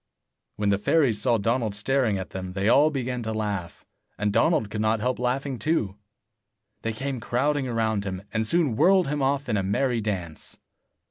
When the fairies saw Donald staring at them, they all began to laugh, and Donald could not help laughing too. They came crowding round him, and soon whirled him off in a merry dance.